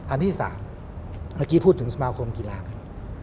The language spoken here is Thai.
อันที่๓พูดถึงสมาคมกีฬากัน